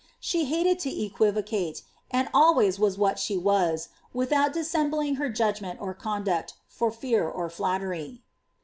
She hated to equivocate, and always was what she was, without dissembling her judgment or conduct, (or fear or flattery."